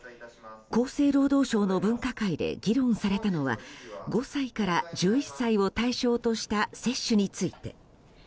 厚生労働省の分科会で議論されたのは５歳から１１歳を対象とした接種について。